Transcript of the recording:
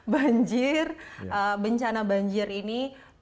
banjir bencana banjir ini